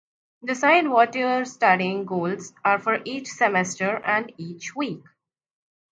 Decide what your studying goals are for each semester and each week.